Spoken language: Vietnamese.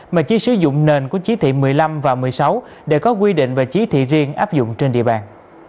mà chỉ sử dụng nền của chí thị một mươi năm và một mươi sáu để có quy định về chí thị riêng áp dụng trên địa bàn